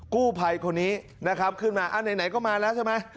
กู้ภัยคนนี้นะครับขึ้นมาไหนก็มาแล้วใช่ไหม